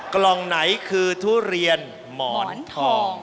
กล่องไหนคือทุเรียนหมอนทอง